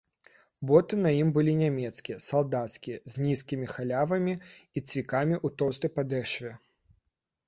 Боты на ім былі нямецкія, салдацкія, з нізкімі халявамі і цвікамі ў тоўстай падэшве.